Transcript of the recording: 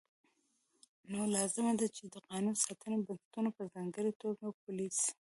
نو لازمه ده چې د قانون ساتنې بنسټونه په ځانګړې توګه پولیس